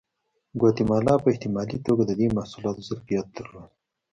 ګواتیمالا په احتمالي توګه د دې محصولاتو ظرفیت درلود.